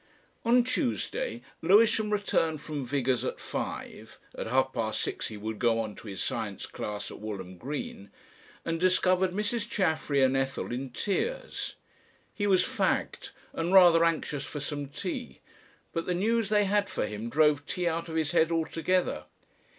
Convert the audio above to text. On Tuesday Lewisham returned from Vigours' at five at half past six he would go on to his science class at Walham Green and discovered Mrs. Chaffery and Ethel in tears. He was fagged and rather anxious for some tea, but the news they had for him drove tea out of his head altogether.